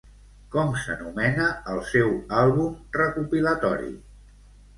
Com s'anomena el seu àlbum recopilatori?